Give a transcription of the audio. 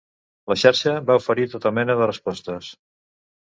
La xarxa va oferir tota mena de respostes.